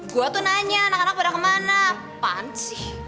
gue tuh nanya anak anak pada kemana panci